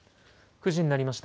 ９時になりました。